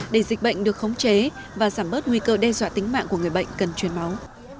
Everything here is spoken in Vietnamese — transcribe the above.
để dịch bệnh được khống chế và giảm bớt nguy cơ đe dọa tính mạng của người bệnh cần truyền máu